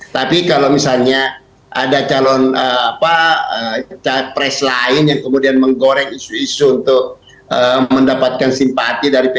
tapi kalau misalnya ada calon capres lain yang kemudian menggoreng isu isu untuk mendapatkan simpati dari p tiga